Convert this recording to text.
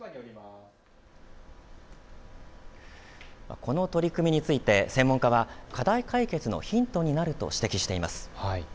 この取り組みについて専門家は課題解決のヒントになると指摘しています。